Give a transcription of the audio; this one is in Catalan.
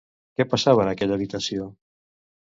Què passava en aquella habitació?